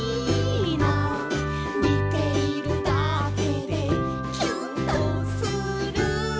「みているだけでキュンとする」